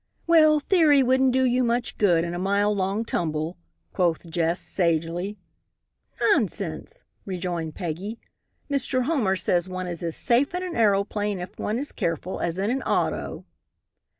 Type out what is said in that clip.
"Well, theory wouldn't do you much good in a mile long tumble," quoth Jess, sagely. "Nonsense," rejoined Peggy. "Mr. Homer says one is as safe in an aeroplane, if one is careful, as in an auto."